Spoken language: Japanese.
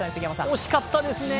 惜しかったですね。